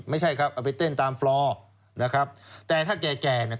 ไม่ใช่ครับเอาไปเต้นตามฟลอร์นะครับแต่ถ้าแก่แก่เนี่ย